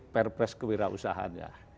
purpose kewirausahaan ya